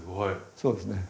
そうですね。